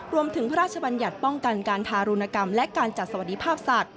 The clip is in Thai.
พระราชบัญญัติป้องกันการทารุณกรรมและการจัดสวัสดิภาพสัตว